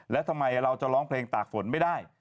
แล้วทำไมเราจะร้องเพลงตากฝนไม่ได้